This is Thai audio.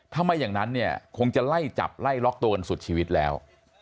ถ้าไม่อย่างนั้นคงจะไล่จับไล่ล๊อคโตนสุดชีวิตแล้ว